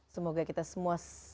semoga kita semua